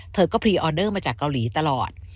เธอก็พรีออเดอร์มาจากเกาหลีตลอด